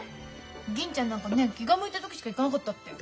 銀ちゃんなんかね気が向いた時しか行かなかったって。